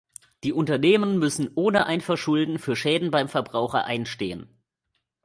Die Unternehmen müssen ohne ein Verschulden für Schäden beim Verbraucher einstehen.